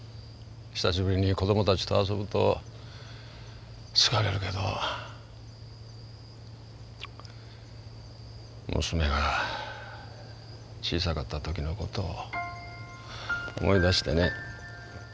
久しぶりに子どもたちと遊ぶと疲れるけど娘が小さかった時の事を思い出してね。